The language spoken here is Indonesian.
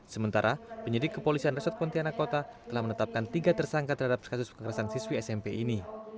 sementara penyidik kepolisian resort pontianak kota telah menetapkan tiga tersangka terhadap kasus kekerasan siswi smp ini